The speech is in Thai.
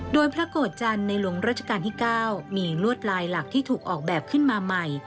โดยพระโกรธจันทร์ในหลวงราชการที่๙มีลวดลายหลักที่ถูกออกแบบขึ้นมาใหม่